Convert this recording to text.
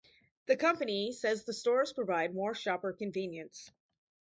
The company says the stores provide more shopper convenience.